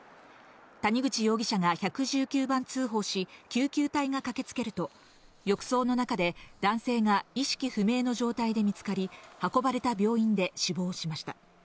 谷口容疑者が１１９番通報し、救急隊が駆けつけると、浴槽の中で男性が意識不明の状態で見つかり、運ばれた病院で死亡しました。